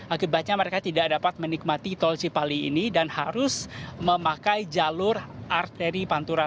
akibatnya mereka tidak dapat menikmati tol cipali ini dan harus memakai jalur arteri pantura